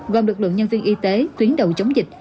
gồm lực lượng nhân viên y tế tuyến đầu chống dịch